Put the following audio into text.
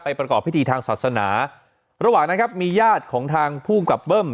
ประกอบพิธีทางศาสนาระหว่างนั้นครับมีญาติของทางภูมิกับเบิ้ม